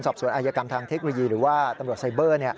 สอบสวนอายกรรมทางเทคโนโลยีหรือว่าตำรวจไซเบอร์